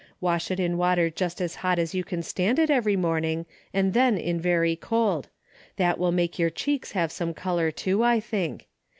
Wash it in water just as hot as you can stand it every morning and then in very cold. That will make your cheeks have some color, too, I think.